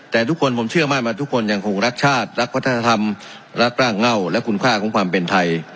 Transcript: แต่ทุกคนผมเชื่อมั่นว่าทุกคนยังคงรักชาติรักวัฒนธรรมรักร่างเง่าและคุณค่าของความเป็นไทย